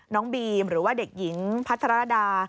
น้องบีมหรือว่าเด็กหญิงพัทรดา